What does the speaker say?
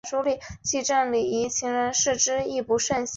商品也有制成钠盐乙酰唑胺钠盐的。